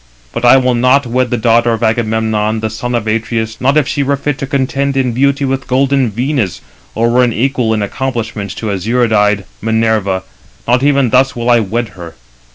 But I will not wed the daughter of Agamemnon, the son of Atreus, not if she were fit to contend in beauty with golden Venus, or were equal in accomplishments to azure eyed Minerva; not even thus will I wed her.